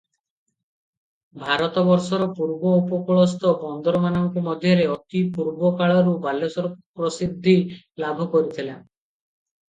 ଭାରତବର୍ଷର ପୂର୍ବ ଉପକୂଳସ୍ଥ ବନ୍ଦରମାନଙ୍କ ମଧ୍ୟରେ ଅତି ପୂର୍ବକାଳରୁ ବାଲେଶ୍ୱର ପ୍ରସିଦ୍ଧି ଲାଭ କରିଥିଲା ।